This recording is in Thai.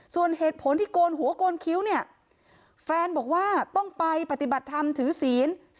ส่วนเหตุผลที่โกนหัวโกนคิ้วเนี่ยแฟนบอกว่าต้องไปปฏิบัติธรรมถือศีล